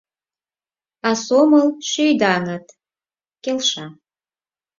А сомыл — шӱйдаҥыт! — келша.